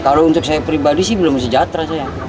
kalau untuk saya pribadi sih belum sejahtera saya